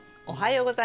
おはよう。